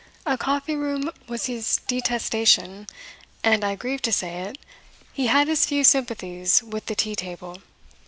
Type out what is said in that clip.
A coffee room was his detestation; and, I grieve to say it, he had as few sympathies with the tea table.